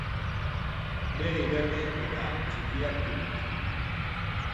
begi berde eta txikiak ditut.